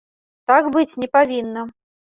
Так быць не павінна.